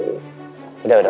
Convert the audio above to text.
aku mau pergi ke rumah